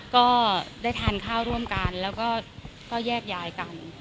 ก็ได้ทานข้าวร่วมกันแล้วก็แยกย้ายกัน